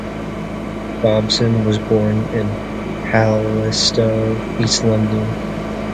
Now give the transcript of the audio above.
Dobson was born in Plaistow, East London.